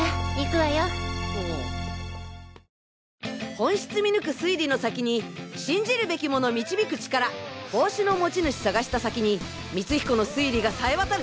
本質見抜く推理の先に信じるべきもの導く力帽子の持ち主探した先に光彦の推理が冴えわたる！